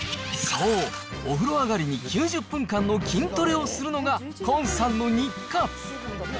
そう、お風呂上りに９０分間の筋トレをするのが、崑さんの日課。